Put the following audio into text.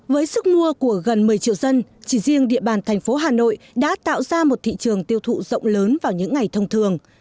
với sức mua của gần một mươi triệu dân chỉ riêng địa bàn thành phố hà nội đã tạo ra một thị trường tiêu thụ rộng lớn vào những ngày thông thường